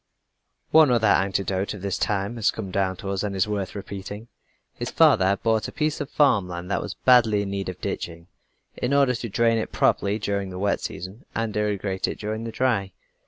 One other anecdote of this time has come down to us and is worth repeating. His father had bought a piece of farm land that was badly in need of ditching, in order to drain it properly during the wet season, and irrigate it during the dry.